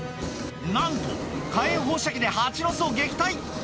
なんと火炎放射器で蜂の巣を撃退